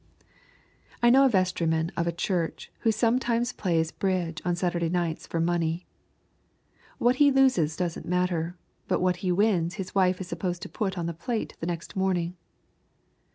I know a vestryman of a church who sometimes plays bridge on Saturday nights for money. What he loses doesn't matter, but what he wins his wife is supposed to put on the plate the next morning.